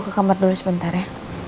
ke kamar dulu sebentar ya